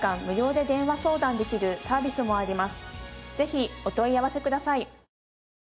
ぜひお問い合わせください。